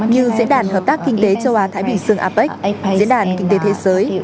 như diễn đàn hợp tác kinh tế châu á thái bình dương apec diễn đàn kinh tế thế giới